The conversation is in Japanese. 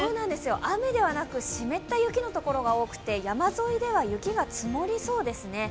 雨ではなく湿った雪のところが多くて山沿いでは雪が積もりそうですね。